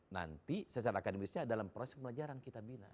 nanti secara akademisnya dalam proses pembelajaran kita bina